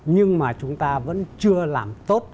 nhưng mà chúng ta vẫn chưa làm tốt